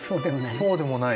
そうでもない。